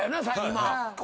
今。